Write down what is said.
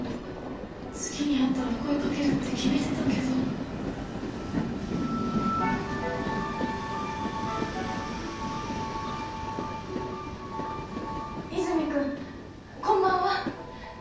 次に会ったら声かけるって決めてたけど和泉君こんばんは